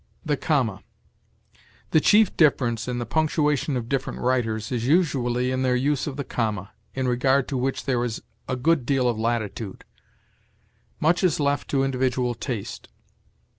THE COMMA. The chief difference in the punctuation of different writers is usually in their use of the comma, in regard to which there is a good deal of latitude; much is left to individual taste.